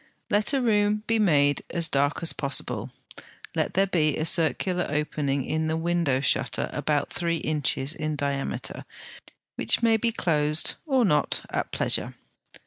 Let a room be made as dark as possible; let there be a circular opening in the window shutter about three inches in diameter, which may be closed or not at pleasure.